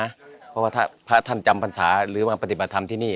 เพราะว่าถ้าพระท่านจำพรรษาหรือมาปฏิบัติธรรมที่นี่